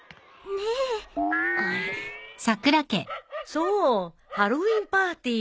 そうハロウィーンパーティー。